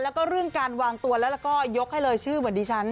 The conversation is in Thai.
แล้วก็เรื่องการวางตัวแล้วก็ยกให้เลยชื่อเหมือนดิฉัน